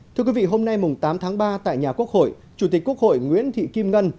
thưa quý vị hôm nay tám tháng ba tại nhà quốc hội chủ tịch quốc hội nguyễn thị kim ngân